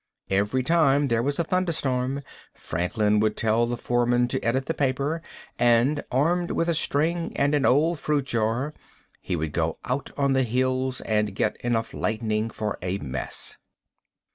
Every time there was a thunder storm, Franklin would tell the foreman to edit the paper, and, armed with a string and an old fruit jar, he would go out on the hills and get enough lightning for a mess.